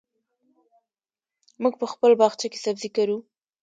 موږ په خپل باغچه کې سبزي کرو.